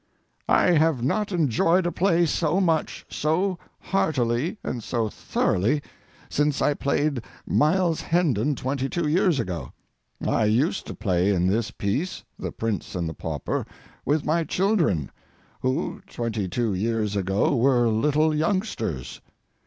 I have not enjoyed a play so much, so heartily, and so thoroughly since I played Miles Hendon twenty two years ago. I used to play in this piece ("The Prince and the Pauper") with my children, who, twenty two years ago, were little youngsters.